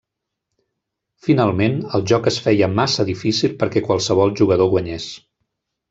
Finalment, el joc es feia massa difícil perquè qualsevol jugador guanyés.